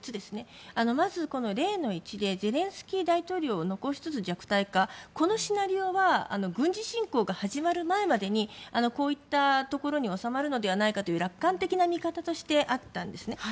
まず、例の１でゼレンスキー大統領を残しつつ弱体化、このシナリオは軍事侵攻が始まる前までにこういったところに収まるのではないかという楽観的な見方としてあったんです。